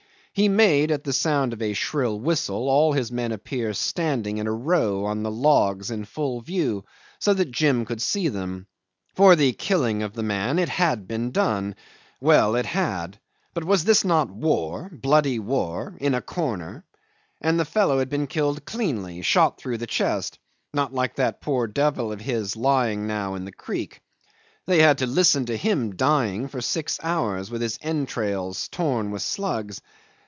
He made, at the sound of a shrill whistle, all his men appear standing in a row on the logs in full view, so that Jim could see them. For the killing of the man, it had been done well, it had but was not this war, bloody war in a corner? and the fellow had been killed cleanly, shot through the chest, not like that poor devil of his lying now in the creek. They had to listen to him dying for six hours, with his entrails torn with slugs.